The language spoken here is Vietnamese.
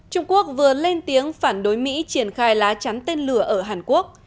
trung quốc vừa lên tiếng phản đối mỹ triển khai lá chắn tên lửa ở hàn quốc